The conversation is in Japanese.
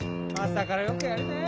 朝からよくやるねぇ。